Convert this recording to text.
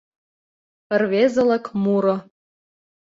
Рвезылык муро